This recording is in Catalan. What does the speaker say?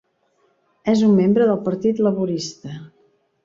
És un membre del Partit Laborista.